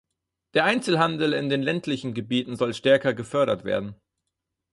Der Einzelhandel in den ländlichen Gebieten soll stärker gefördert werden.